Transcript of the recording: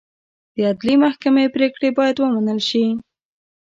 د عدلي محکمې پرېکړې باید ومنل شي.